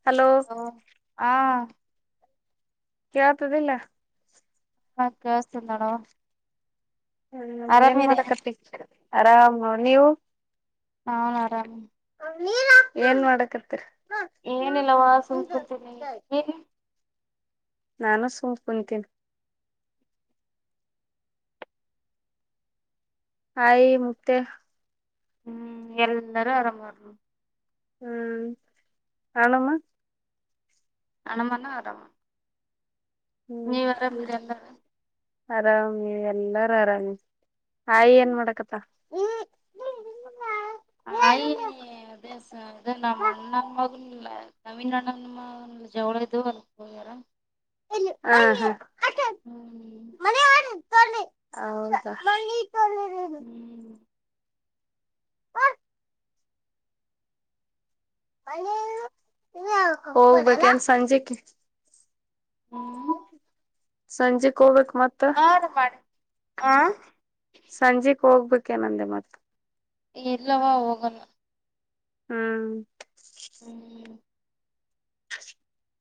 ಹ ಓ ಹಾ ಕ ಆತದಿಲ್ಲ ಹ ಕೆವಸಂದಡೋ ಹ್ಮ್ ಏನ್ ಮಾತ ಕತಿ ಆರಾಮ್ ನೀವು ಹನ್ ಆರಾಮ ನೀ ಏನ್ ಮಾಡಕತ್ರಿ ಏನಿಲ್ಲವಾ ಸುಮಕತೀನಿ ನಾನು ಸುಂ ಕುಂತೀನಿ ಆಯಿ ಮುಕ್ತ ಹ್ಮ್ ಎಲ್ಲ ನರ ಆರಾಮಾರ ಹ್ಮ್ ಹಣಮ್ಮ ಹಣಮನ ಆರಾಮ ನೀವ್ ಹ್ಮ್ ಆರಾಮಿರಿ ಎಲ್ಲಾರ ಆರಾಮಿ ಎಲ್ಲಾರ ಆರಾಮಿ ಆಾಯಿ ಏನ್ ಮಾಡಕತ್ತ ಹಯ ಅದೇ ಸ ಅ ನಮ್ಮ ಅಣ್ಣ ಮಗಲ್ಲ ನವೀನ್ ಅಣ್ಣ ಜವಳ ಇದ ಅಲ್ಲಿ ಹಾ ಹಾ ಹ್ಮ್ ಹ್ಮ ಸೆ ಹ ಹ್ಮ್ ಹೋಗ್ಬೇಕನ್ ಸಂಜೆಕ್ಕೆ ಹ್ಮ್ ಸಂಜೆ ಕೋವ ಮತ್ತ ಹಾ ರೀ ಮಾಡಿ ಆ ಸಂಜೆಕ್ ಹೋಗ್ಬೇಕೆ ನಂದೆ ಮತ್ತ ಎಲ್ಲವಾ ಹೋಗಣ ಹ್ಮ್ ಹ್ಮ್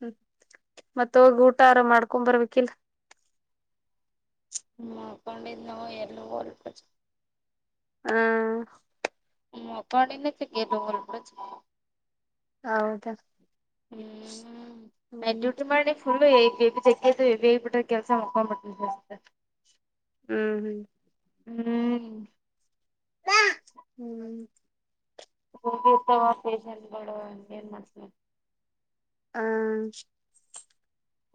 ಹ್ಮ ಮತ್ತ ಹೋಗಿ ಊಟ ಆರ ಮಾಡ್ಕೊ್ ಬರ್ಬೇಕಿಲ್ ಮಾಡ್ಕೊಂಡಿದ್ ನಾವು ಎಲ್ಲ ಹಲ್ಪ ಹಾ ಹ್ಮ ಪನಗದು ಒಲ್ಬ ಹೌದಾ ಹ್ಮ ಹ್ಮ್ ಮಟು ತ ಮಾಡಾರ್ನಫುಲ್ ಜಗೇಗಪಟ್ಟ ಕೆಲಸ ಮುಕ್ಕನ್ ಪ ಹ್ಮ್ ಹ್ಮ್ ಹ್ಮ್ ಹ ಹ್ಮ್ ಹೋಗಿ ಇರ್ತವ ಪೇಶಂಟ್ಗಳು ಏನ್ ಮಾಡ್ತನ ಹ್ಮ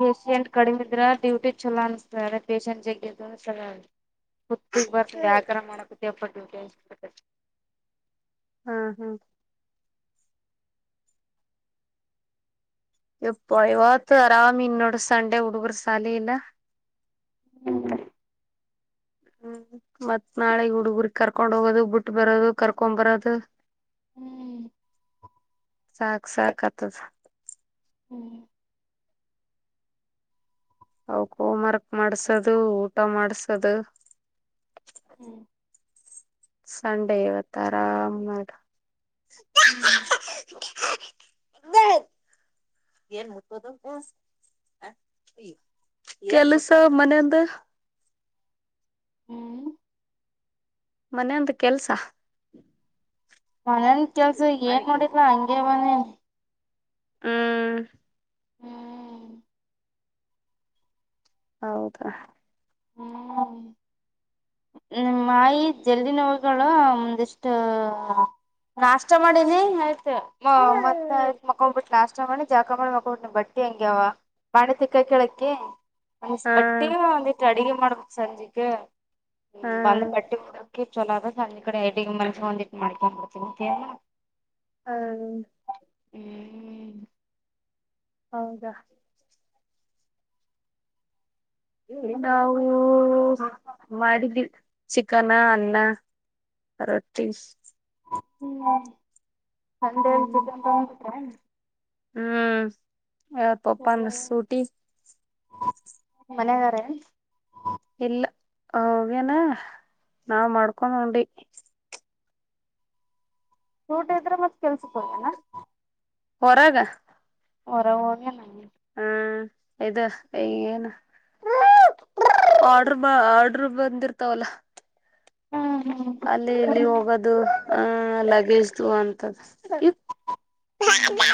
ಪೇಷೆಂಟ್ ಕಡಿಮೆಿದ್ರ ಡ್ಯೂಟಿ ಚಛಲೋ ಅನ್ನಿಸ್ತಾರೆ ಪೇಶಷೆಂಟ್ ಜಗ್ಗ ಕುತ್ಿಗೆ ಬರ್ ವಾಕರಣ ಮಾಡ ದಿಯಪ ಹ್ಮ್ ಹ್ಮ್ ಇಪ್ಪ ಇವತ್ತು ಆರಾಮ್ ಇನ್ನೋಡುರ ಸಂಡೆ ಹುಡುಗರು ಸಾಲೆ ಇಲ್ಲ ಹ್ಮ್ ಮತ್ ನಾಳೆ ಹುಡುಗರ್ ಕರ್ಕೊಂಡ್ ಹೋಗೋದು ಬಿಟ್ಟ ಬರೋದು ಕರ್ಕೊಂಡ್ ಬರೋದು ಹ್ಮ್ ಸಾಕ್ ಸಾಕ್ ಆಗ್ತದ ಹ್ಮ್ ಅವಕ್ ಹೋಮ್ ವರ್ಕ್ ಮಾಡಸದು ಊಟ ಮಾಡ್ಸದು ಸಂಡೆ ಇವತ್ತ ಆರಾಮ್ ಮಾಡ ಹ್ಮ್ ಬ ಏನ್ ಮುಟ್ಟೋದ ಕೆಲಸ ಮನೆಯಂದ ಮನೆಯೊಂದು ಕೆಲ್ಸ ಮನೇನ್ ಕೆಲ್ಸ ಏನ್ ಮಾಡೋಡಿದ್ರ ಹಂಗಗೆ ಬನೆ ಹ್ಮ್ ಹ್ಮ್ ಹೌದಾ ನಿ ಮಾಾಯಿ ಜಲ್ಲಿನವುಗಳು ಒಮಂದಿಷ್ಟ ನಾಷ್ಟ ಮಾಡೀನಿ ಆಯ್ತು ಮತ್ತೆ ಆಯ್ತ್ ಹಾ ಮಕೊಬಿಟ್ಟು ನಾಷ್ಟ ಮಾಡಿ ಜಾಕ ಮಾಡಿ ಮಕ್ಕೊಬಿಟ್ಟಿನ ಬಟ್ಟಿ ಹಂಗಗೆಾವ ಬಾಣೆತಿಕ್ಕ ಕೇಳಕ್ಕ ಅ ಬಟ್ಟಿಯು ಅಂದು ಅಡಿಗೆ ಮಡಮ ಸಂಜುಕ ಹಾ ಹ್ಮ ಬಂದ ಬಟ್ಟಿ ಮುಡಕಿ ಚಲೋ ಅದ ಸಂಜ ಕಡೆ ಎಡ ಮನ್ಸ ಒಂದಿಟ್ಟು ಮಾಡ್ಕೊಂಡ್ ಬಡ್ತ ಹ್ಮ ಹ್ಮ್ ಹೌದಾ ನಾವು ಮಾಡಿದ್ದೀ ಚಿಕನ ಅನ್ನ ಹೊಟೀ ಹ್ಮ ಸಂಡೆಯಲ್ಲಿ ಹ್ಮ್ ಚಿಕನ್ ತಗೊಂಡ್ಟ್ರ ಹ್ಮ್ ಯಾವ ಪಪ್ಪ ಅಂದ್ರ ಸೂಟಿ ಮನಗಾರ ಇಲ್ಲ ಹ ಅವೇನ ನಾವ್ ಮಾಡ್ಕೊಂಡೊಂಡಿ ಊಟ ಇದ್ರೆ ಮತ್ತತ್ ಕೆಲ್ಸಕ್ ಹೋಗನಾ ಹೊರಾಗ ಹೊರ ಓಗಲ್ಲಗೆ ಹ್ಮ್ ಇದು ಈಗಏನು ಆಡರ್ ಆರ್ಡ್ರ ಬಂದಿರ್ತಾವಲ್ಲ ಹ್ಮ್ ಹ್ಮ್ ಅಲ್ಲಿ ಇಲ್ಲಿ ಹ್ಮ್ ಹೋಗೋದು ಅಹ ಲಗೇಜ್ದು ಅಂತ ಹ್ಮ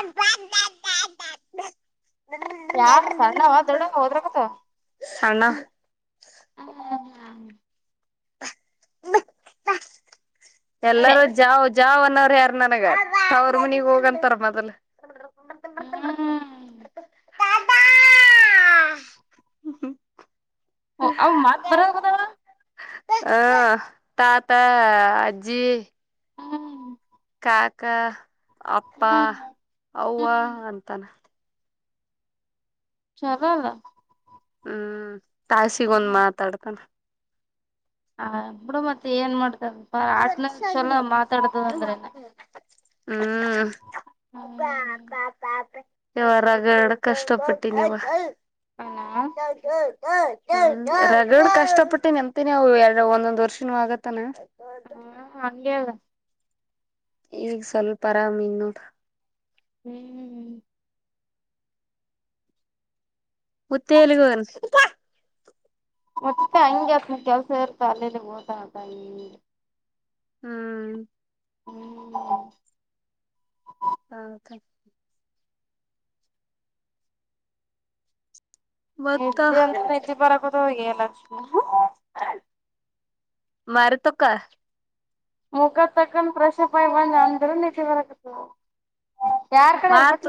ಯಾ ಸಣ್ಣವ ದೊಡ್ಡವ ಓದ್ರಕತ್ತವ ಸಣ್ಣ ಬೆ ಎಲ್ಲರೂ ಬೆ ಜಾವ ಜಾವ್ ಅನ್ನೋರು ಯಾರ ನನಗ ಅವಾವ್ರ ಮುನಿಗ್ ಹೋಗಂತಾರ ಮೊದಲ್ ಹ್ಮ್ ಹ್ಮ್ಮ ಓ ಅವ ಮತ್ ಬರಾಗದಾವ ಹ ತಾತಾ ಅಜ್ಜಿ ಕಾಕ ಅಪ್ಪ ಅವ್ವ ಅಂತಾನ ಚಲ್ಲಲ್ಲ ಹ್ಮ್ ತಾಯಾಸಿಗೊಂದ್ ಮಾತಾಡ್ತಾನ ಹ ಬಿಡ ಮತ್ತೆ ಏನ್ ಮಾಡ್ತ ಆ ಅಂದ್ರೆನ ಹ್ಮ್ ಕಾ ಹೌನಾ ಕಾತಾತ ಯರಗಡ ಕಷ್ಟಪಟ್ಟಿ ನೀವ ಡ್ ಕಷ್ಟ ಪಟ್ಟು ನೆಂತಿನಿವು ಎರಡು ಒಂದೊಂದ್ ವರ್ಷನುೂ ಆಗತ್ತಾನ ಹಾ ಹಗಲ್ದ್ ಈಗ ಸ್ವಲ್ಪ ಆರಾಮ ಇವ್ನಿ ನೋಡು ಹ್ಮ್ ಹ್ಮ್ ಹ್ಮ್ ಮತ್ತೇಲುಗೂನ್ಸ್ ಮತ್ತ ಹಂಗೆ ಅತನಿಗೆ ಕೆಲ್ಸ ಇರ್ತ ಅಲ್ಲೇಲ್ಲಿ ಹೋತು ಇರತ್ತಾನ್ ಹ್ಮ್ [unintelligible] ಹಗ್ ಮತ್ತ ನಿದ್ದೆ ಅಂತ ನಿದ್ದಿ ಪರಕದ ಹೋಗ ಲಕ್ಷ್ ಮಾರತುಕ್ಕ ಮುಖ ತಕ್ಕನ್ ಪ್ರಶಾಪ್ ಆಗಲ್ಲ ಅಂದ್ರೆ ನಿದ್ದೆ ಬರಕತ ಯಾರ್ ಕಡೆಯವರ್ ಕತ್ ಮಾರ್ತ್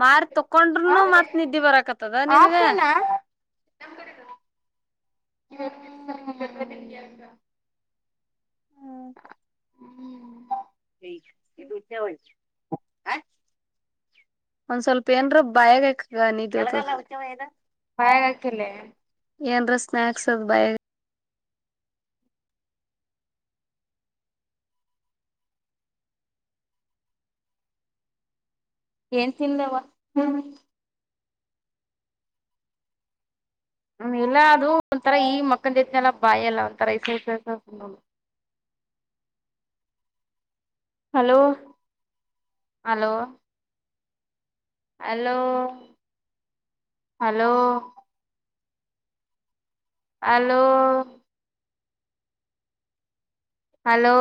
ಮಾರ್ ತಕೊಂಡ್ರನು ಮತ್ತ್ ನಿದ್ದೆ ಬರಕತ್ತದ ನಿನಗೆ ಆಫಿನ [unintelligible] ಇವತ್ತು ದಿವಸಂಬದಲ್ಲ ನಿನಗೆ ಆ [unintelligible] ಒಂದ್ ಸ್ವಲ್ಪ ಏನ್ರಾದ್ರೂ ಬಾಯಾಗಿಕ್ಕ ನಿದೊತ್ತದ ಬಾಯಗಕಿಲ್ಲೇ ಏನ್ರಾ ಸ್ನಾಕ್ಸ್ ಬಯಾಗ್ ಏನ್ ತಿಂದವ್ವ ಹ್ಮ ಇಲ್ಲಾ ಅದು ಒಂಥರ ಈ ಮಕ್ಕನ್ ಜೊತೆನೆ ಎಲ್ಲಾ ಬಾಯಲ್ಲ ಒಂತರ ಸಸ hello hello hello hello hello hello